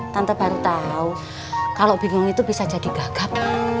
tante baru tahu kalau bingung itu bisa jadi gagap